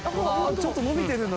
ちょっと伸びてるんだ。